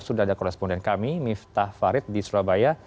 sudah ada koresponden kami miftah farid di surabaya